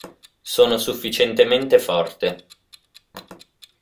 Sono sufficientemente forte.